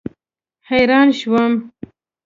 حیران شوم.